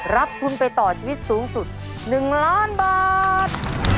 รับทุนไปต่อชีวิตสูงสุด๑ล้านบาท